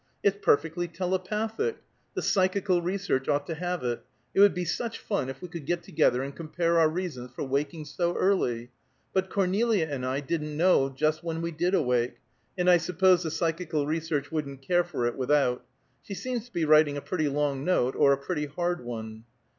"It's perfectly telepathic! The Psychical Research ought to have it. It would be such fun if we could get together and compare our reasons for waking so early. But Cornelia and I didn't know just when we did wake, and I suppose the Psychical Research wouldn't care for it without. She seems to be writing a pretty long note, or a pretty hard one!"